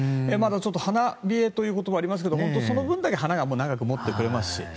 まだちょっと花冷えということもありますけど本当にその分だけ花が長くもってくれますし。